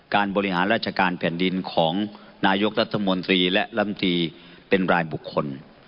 การบริหารราชการแผ่นดินของนายกรัฐมนตรีและลำตีเป็นรายบุคคล